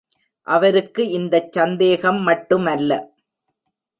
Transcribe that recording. அவருக்கு இந்தச் சந்தேகம் மட்டுமல்ல.